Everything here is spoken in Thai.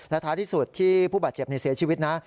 ท้ายที่สุดที่ผู้บาดเจ็บเสียชีวิตนะ